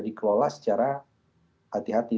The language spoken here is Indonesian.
dikelola secara hati hati